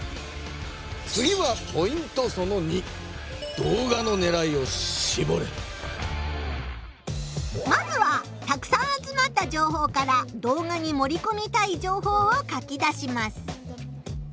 次はまずはたくさん集まった情報から動画にもりこみたい情報を書き出します。